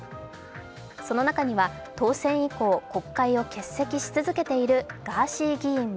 その中には、当選以降、国会を欠席し続けているガーシー議員も。